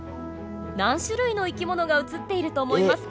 何種類の生き物が映っていると思いますか？